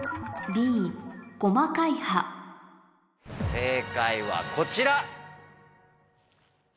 正解はこちら！